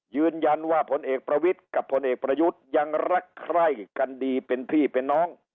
ยืนยันว่าผลเอกประวิทย์กับพลเอกประยุทธ์ยังรักใคร่กันดีเป็นพี่เป็นน้อง